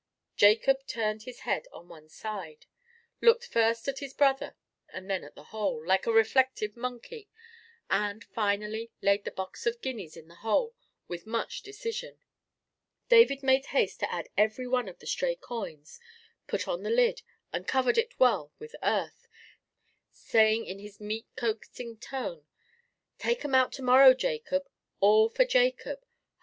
Jacob turned his head on one side, looked first at his brother and then at the hole, like a reflective monkey, and, finally, laid the box of guineas in the hole with much decision. David made haste to add every one of the stray coins, put on the lid, and covered it well with earth, saying in his meet coaxing tone— "Take 'm out to morrow, Jacob; all for Jacob!